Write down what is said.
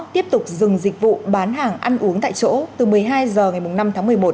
tiếp tục dừng dịch vụ bán hàng ăn uống tại chỗ từ một mươi hai h ngày năm tháng một mươi một